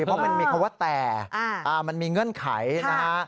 เพราะมันมีคำว่าแต่มันมีเงื่อนไขนะฮะ